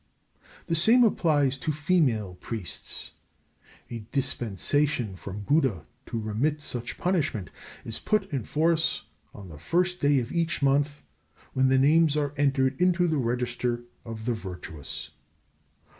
The same applies to female priests. A dispensation from Buddha to remit such punishment is put in force on the first day of each month when the names are entered in the register of the virtuous.